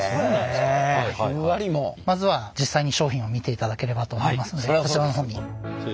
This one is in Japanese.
まずは実際に商品を見ていただければと思いますのでこちらの方に。